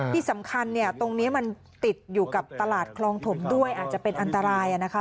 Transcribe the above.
ที่สำคัญเนี่ยตรงนี้มันติดอยู่กับตลาดคลองถมด้วยอาจจะเป็นอันตรายนะคะ